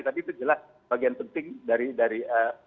tapi itu jelas bagian penting dari program ini